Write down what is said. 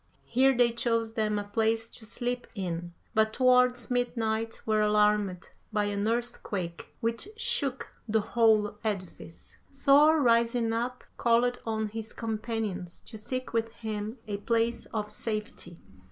Here they chose them a place to sleep in; but towards midnight were alarmed by an earthquake which shook the whole edifice. Thor, rising up, called on his companions to seek with him a place of safety.